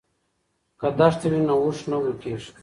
که دښته وي نو اوښ نه ورکیږي.